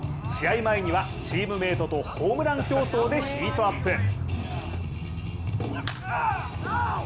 試合前には、チームメートとホームラン競争でヒートアップ。